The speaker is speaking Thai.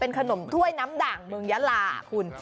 ขนมถ้วยน้ำด่างเมืองยาลาคุณ